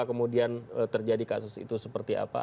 kemudian terjadi kasus itu seperti apa